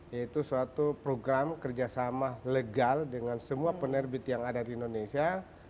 yaitu suatu program kerjasama legal dengan semua penerbit yang ada di indonesia